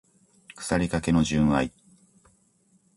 腐りかけの純愛